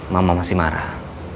mama masih marah